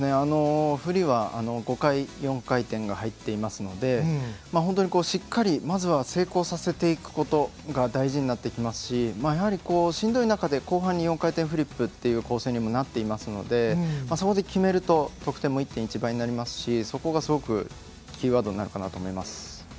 フリーは５回４回転が入っていますので本当にしっかりまずは成功させていくことが大事になってきますしやはり、しんどい中で後半に４回転フリップという構成にもなっていますのでそこで決めると得点も１．１倍になりますしそこがすごくキーワードになるかなと思います。